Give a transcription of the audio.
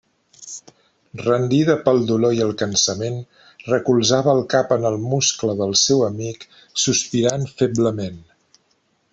Rendida pel dolor i el cansament, recolzava el cap en el muscle del seu amic, sospirant feblement.